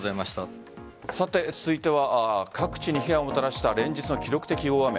続いては各地に被害をもたらした連日の記録的大雨。